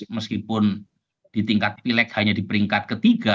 meskipun di tingkat pilek hanya di peringkat ketiga